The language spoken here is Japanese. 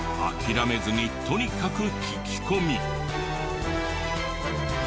諦めずにとにかく聞き込み。